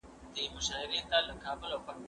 زه کولای سم ځواب وليکم!.!.